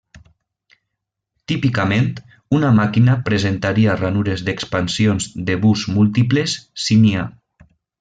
Típicament, una màquina presentaria ranures d'expansions de bus múltiples, si n'hi ha.